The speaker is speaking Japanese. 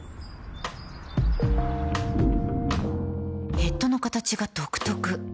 ヘッドの形が独特